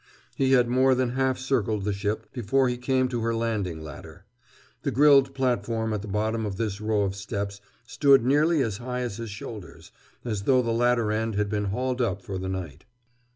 He had more than half circled the ship before he came to her landing ladder. The grilled platform at the bottom of this row of steps stood nearly as high as his shoulders, as though the ladder end had been hauled up for the night.